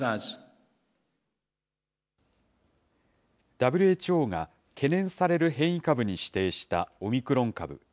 ＷＨＯが懸念される変異株に指定したオミクロン株。